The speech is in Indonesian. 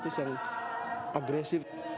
terus yang agresif